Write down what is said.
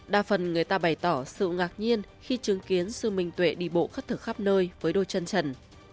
đa phần người ta bày tỏ sự ngạc nhiên khi chứng kiến sự minh tuệ đi bộ khất thực khắp nơi với đôi chân trần